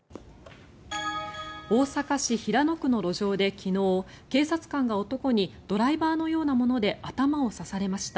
大阪市平野区の路上で、昨日警察官が男にドライバーのようなもので頭を刺されました。